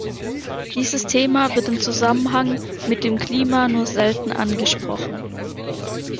Dieses Thema wird in Zusammenhang mit dem Klima nur selten angesprochen.